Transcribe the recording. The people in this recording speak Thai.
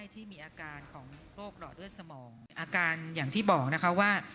ที่มีอาการของโรคหลอดเลือดสมองอาการอย่างที่บอกนะคะว่า